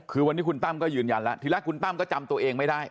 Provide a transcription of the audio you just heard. คือวันนี้คุณตั้มก็ยืนยันแล้วทีแรกคุณตั้มก็จำตัวเองไม่ได้